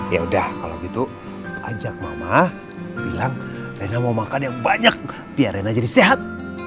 ya udah kalau gitu ajak mama bilang rena mau makan yang banyak biar rena jadi sehat